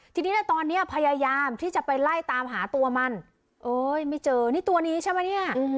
ทีนี้ในตอนเนี้ยพยายามที่จะไปไล่ตามหาตัวมันเอ้ยไม่เจอนี่ตัวนี้ใช่ไหมเนี่ย